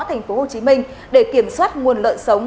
thành phố hồ chí minh để kiểm soát nguồn lợn sống